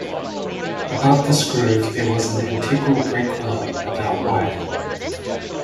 Above this groove there was an integral brake wheel about wide.